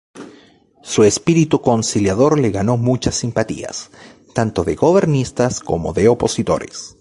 Su espíritu conciliador le ganó muchas simpatías, tanto de gobiernistas como de opositores.